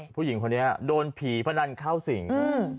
อะผู้หญิงพอเนี้ยโดนผีพนันเข้าสิ่งอืม